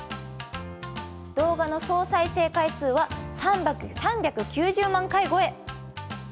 動画の総再生回数は３９０万回超え。